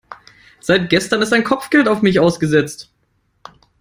Seit gestern ist ein Kopfgeld auf mich ausgesetzt.